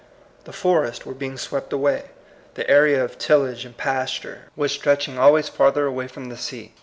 The forests were being swept away; the area of tillage and pasture was stretching always farther away from the sea.